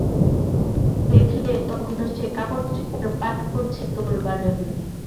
দেখলে তখনো সে কাপড়-চোপড় পাট করছে তোলবার জন্যে।